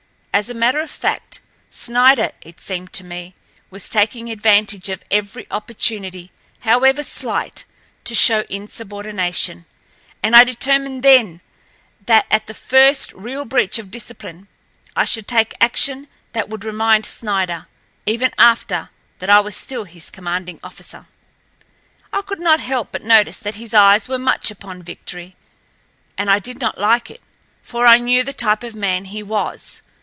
As a matter of fact, Snider, it seemed to me, was taking advantage of every opportunity, however slight, to show insubordination, and I determined then that at the first real breach of discipline I should take action that would remind Snider, ever after, that I was still his commanding officer. I could not help but notice that his eyes were much upon Victory, and I did not like it, for I knew the type of man he was.